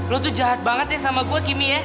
lo tuh jahat banget ya sama gue kimmy ya